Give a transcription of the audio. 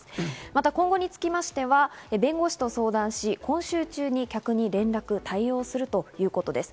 また今後につきましては、弁護士と相談し、今週中に客に連絡・対応をするということです。